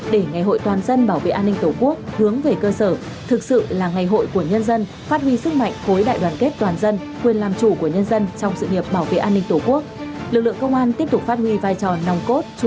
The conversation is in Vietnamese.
để ngày hội toàn dân bảo vệ an ninh tổ quốc hướng về cơ sở thực sự là ngày hội của nhân dân phát huy sức mạnh khối đại đoàn kết toàn dân quyền làm chủ của nhân dân trong sự nghiệp bảo vệ an ninh tổ quốc